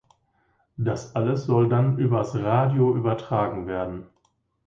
Das alles soll dann übers Radio übertragen werden.